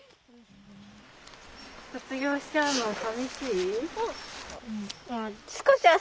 卒業しちゃうの寂しい？